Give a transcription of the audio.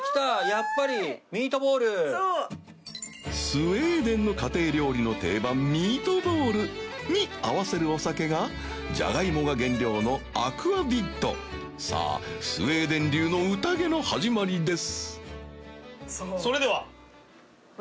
スウェーデンの家庭料理の定番ミートボールに合わせるお酒が献礇ぅが原料のアクアヴィットさあスウェーデン流のうたげの始まりです